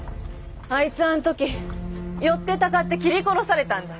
あいつはあの時寄ってたかって斬り殺されたんだ。